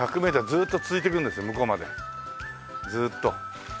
ずーっと。